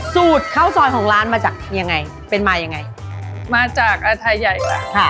สูตรข้าวซอยของร้านมาจากยังไงเป็นมายังไงมาจากอาทัยใหญ่กว่าค่ะ